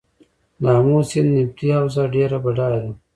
د امو سیند نفتي حوزه ډیره بډایه ده